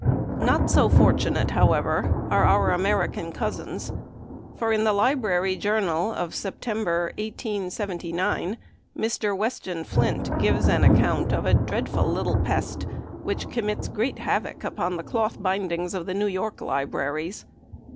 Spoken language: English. Not so fortunate, however, are our American cousins, for in the "Library Journal" for September, 1879, Mr. Weston Flint gives an account of a dreadful little pest which commits great havoc upon the cloth bindings of the New York libraries.